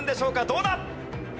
どうだ！